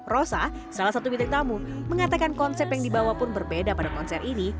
rosa salah satu bidik tamu mengatakan konsep yang dibawa pun berbeda pada konser ini